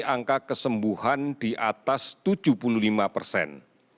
angka kesembuhan di atas tujuh puluh lima persen